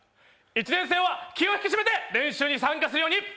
１年生は気を引き締めて練習に参加するように。